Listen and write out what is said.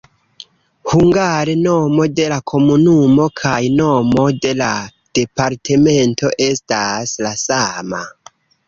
Hungare nomo de la komunumo kaj nomo de la departemento estas la sama.